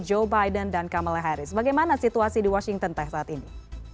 joe biden dan kamala harris bagaimana situasi di washington teh saat ini